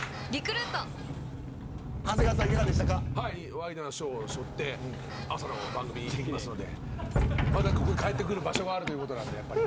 ⁉ワイドナショーを背負って朝の番組に行きますのでまた帰ってくる場所があるということなんで。